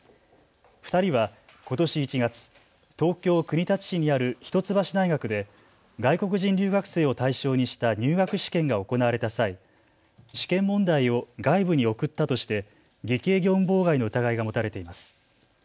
２人はことし１月、東京国立市にある一橋大学で外国人留学生を対象にした入学試験が行われた際、試験問題を外部に送ったとして偽計業務妨害の疑いが持たれています。